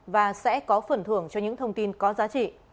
và sẽ có phần thưởng cho những thông tin có giá trị